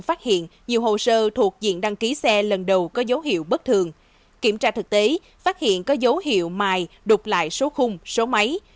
phát hiện nhiều hồ sơ thuộc diện đăng ký xe lần đầu có dấu hiệu bất thường kiểm tra thực tế phát hiện có dấu hiệu mài đục lại số khung số máy